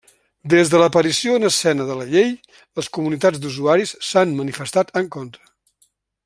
Des de l'aparició en escena de la Llei, les comunitats d'usuaris s'han manifestat en contra.